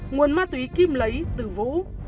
nguồn ma túy kim lấy từ vũ